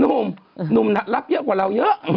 หนุ่มหนุ่มรับเยอะกว่าเราเยอะ